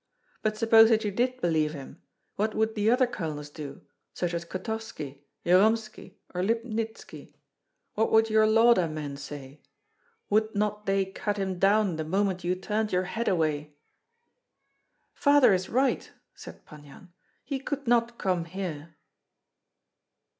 But suppose that you did believe him, what would the other colonels do, such as Kotovski, Jyromski, or Lipnitski? What would your Lauda men say? Would not they cut him down the moment you turned your head away?" "Father is right!" said Pan Yan; "he could not come here."